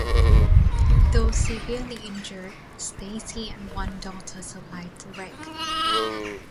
Though severely injured, Stacy and one daughter survived the wreck.